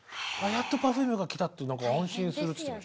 やっとＰｅｒｆｕｍｅが来たって何か安心するって。